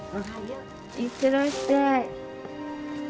いってらっしゃい。